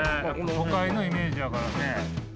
都会のイメージやからね。